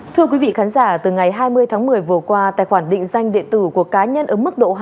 thưa quý vị khán giả từ ngày hai mươi tháng một mươi vừa qua tài khoản định danh điện tử của cá nhân ở mức độ hai